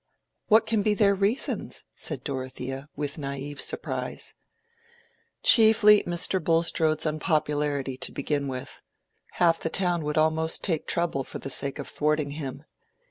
"What can be their reasons?" said Dorothea, with naive surprise. "Chiefly Mr. Bulstrode's unpopularity, to begin with. Half the town would almost take trouble for the sake of thwarting him.